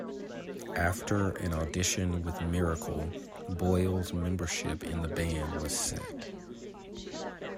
After an audition with "Miracle", Boyle's membership in the band was set.